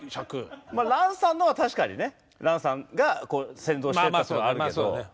まあ蘭さんのは確かにね。蘭さんが先導してったっていうのはあるけど。